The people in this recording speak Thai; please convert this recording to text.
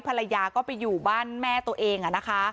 ภรรยาก็ไปอยู่บ้านแม่ตัวเองนะคะ